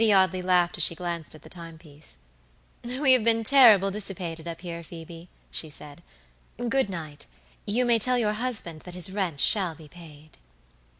Lady Audley laughed as she glanced at the timepiece. "We have been terrible dissipated up here, Phoebe," she said. "Good night. You may tell your husband that his rent shall be paid."